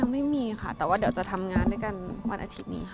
ไม่มีค่ะแต่ว่าเดี๋ยวจะทำงานด้วยกันวันอาทิตย์นี้ค่ะ